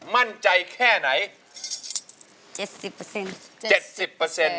มั่นใจแค่ไหน